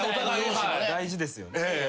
・大事ですよね。